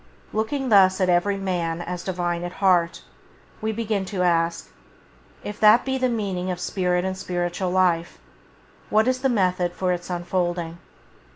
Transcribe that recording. Looking thus at every man as Divine at heart, we begin to ask: If that be the meaning of spirit and spiritual life, what is the method for its unfolding